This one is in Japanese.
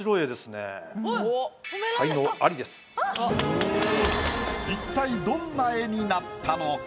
あっ一体どんな絵になったのか？